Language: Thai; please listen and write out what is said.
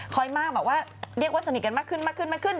คอยมากแบบว่าเรียกว่าสนิทกันมากขึ้น